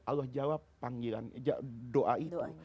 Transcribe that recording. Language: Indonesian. allah jawab panggilannya doa itu